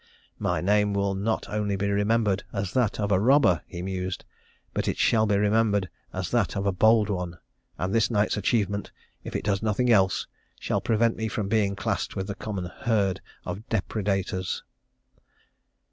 'My name will not only be remembered as that of a robber,' he mused, 'but it shall be remembered as that of a bold one; and this night's achievement, if it does nothing else, shall prevent me from being classed with the common herd of depredators.'